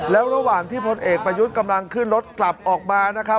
แล้วระหว่างที่พลเอกประยุทธ์กำลังขึ้นรถกลับออกมานะครับ